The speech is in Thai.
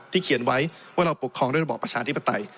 เขียนไว้ว่าเราปกครองด้วยระบอบประชาธิปไตย